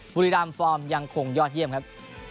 บุรีรามฟอร์มยังคงยอดเยี่ยมครับ